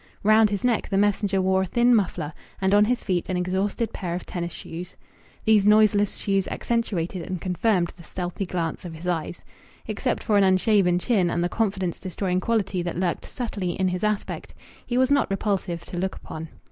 Round his neck the messenger wore a thin muffler, and on his feet an exhausted pair of tennis shoes. These noiseless shoes accentuated and confirmed the stealthy glance of his eyes. Except for an unshaven chin, and the confidence destroying quality that lurked subtly in his aspect, he was not repulsive to look upon.